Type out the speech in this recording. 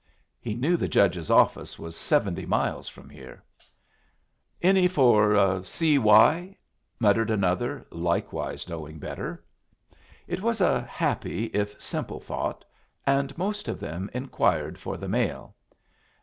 He knew the judge's office was seventy miles from here. "Any for the C. Y.?" muttered another, likewise knowing better. It was a happy, if simple, thought, and most of them inquired for the mail.